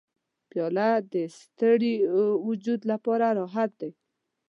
پیاله د ستړي وجود لپاره راحت دی.